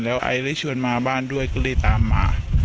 แล้วไอได้ชวนมาบ้านด้วยก็เลยตามมา